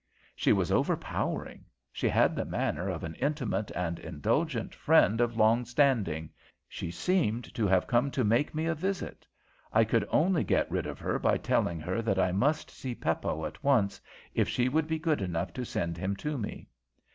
She was overpowering. She had the manner of an intimate and indulgent friend of long standing. She seemed to have come to make me a visit. I could only get rid of her by telling her that I must see Peppo at once, if she would be good enough to send him to me.